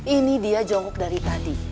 ini dia jongok dari tadi